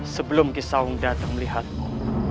sebelum ki sawung datang melihatmu